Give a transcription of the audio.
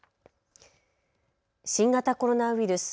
新型コロナウイルス。